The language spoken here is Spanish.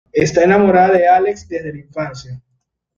Está enamorada de Alex desde la infancia.